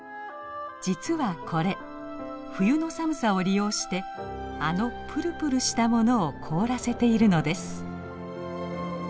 実はこれ冬の寒さを利用してあのプルプルしたものを凍らせているのです。